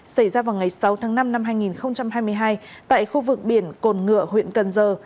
xảy ra vào ngày sáu tháng năm năm hai nghìn hai mươi hai tại khu vực biển cồn ngựa huyện cần giờ